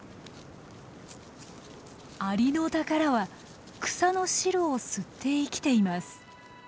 アリノタカラは草の汁を吸って生きています。